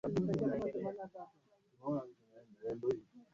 Mwaka wake wa mwisho Italia alipatikana na kashfa ya